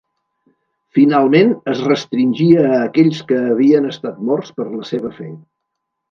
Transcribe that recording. Finalment, es restringí a aquells que havien estat morts per la seva fe.